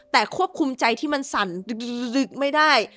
แต่ควบคุมใจที่มันสั่นลึกไม่ได้